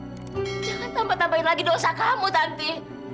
jangan tambah tambahin lagi dosa kamu nanti